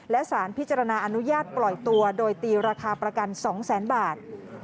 และสารพิจารณาอนุญาตปล่อยตัวโดยตีราคาประกัน๒แสนบาท